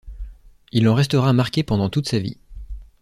Il en restera marqué pendant toute sa vie.